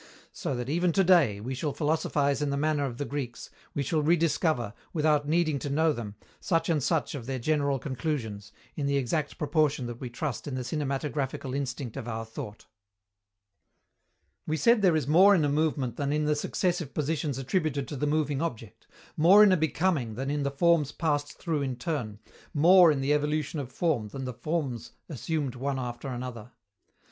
So that, even to day, we shall philosophize in the manner of the Greeks, we shall rediscover, without needing to know them, such and such of their general conclusions, in the exact proportion that we trust in the cinematographical instinct of our thought. We said there is more in a movement than in the successive positions attributed to the moving object, more in a becoming than in the forms passed through in turn, more in the evolution of form than the forms assumed one after another.